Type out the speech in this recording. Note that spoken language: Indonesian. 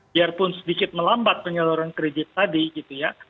biarpun sedikit melambat penyaluran kredit tadi gitu ya